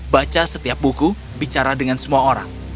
baca setiap buku bicara dengan semua orang